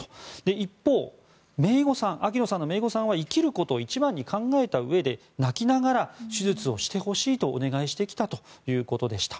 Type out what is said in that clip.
一方、秋野さんのめいごさんは生きることを一番に考えたうえで泣きながら手術をしてほしいとお願いしてきたということでした。